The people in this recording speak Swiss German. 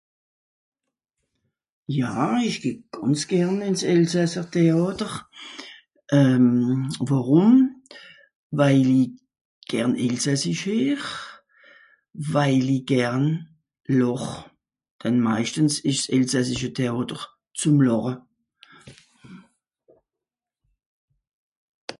ja ìsch geh gànz gern ìns elsàsser Théàter euhm wàrùm weil'i gern elsassisch heer weil'i gern lòr denn maischtens esch s'elsassische Théàter zum lòre